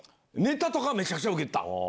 ネタとかめちゃくちゃウケてた。